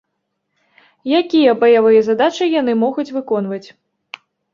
Якія баявыя задачы яны могуць выконваць?